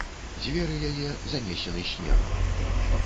Дзверы яе занесены снегам.